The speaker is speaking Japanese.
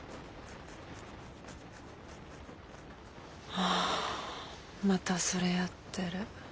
あぁまたそれやってる。